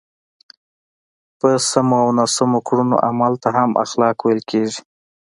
په سمو او ناسم کړنو عمل ته هم اخلاق ویل کېږي.